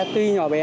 tuy nhỏ bé